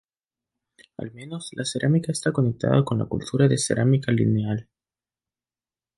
Al menos, la cerámica está conectada con la cultura de Cerámica lineal.